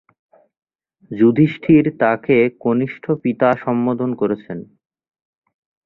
যুধিষ্ঠির তাকে কনিষ্ঠ পিতা সম্বোধন করেছেন।